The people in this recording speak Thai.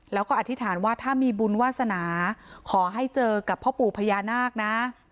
แล้วก็อธิษฐานว่าถ้ามีบุญวาสนาขอให้เจอกับพ่อปู่พญานาคนะ